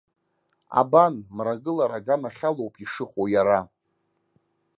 Абан, мрагылара аганахьалоуп ишыҟоу иара.